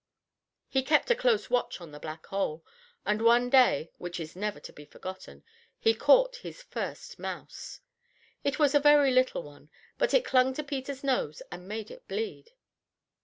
He kept a close watch on the black hole, and one day, which is never to be forgotten, he caught his first mouse. It was a very little one, but it clung to Peter's nose and made it bleed.